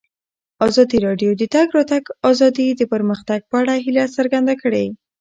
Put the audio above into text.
ازادي راډیو د د تګ راتګ ازادي د پرمختګ په اړه هیله څرګنده کړې.